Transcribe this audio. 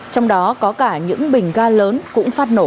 trong đó có cả những bình ga lớn cũng phát nổ